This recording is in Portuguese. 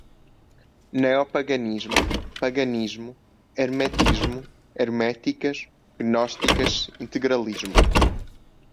Neopaganismo, paganismo, hermetismo, herméticas, gnósticas, integralismo